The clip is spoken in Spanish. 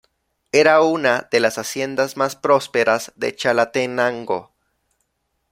Era una de las haciendas más prósperas de Chalatenango.